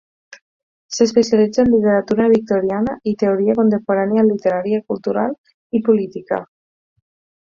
S'especialitza en literatura victoriana i teoria contemporània literària, cultural i política.